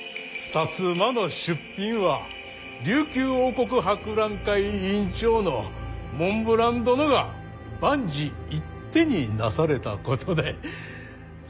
摩の出品は琉球王国博覧会委員長のモンブラン殿が万事一手になされたことで。